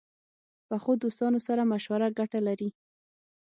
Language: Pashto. پخو دوستانو سره مشوره ګټه لري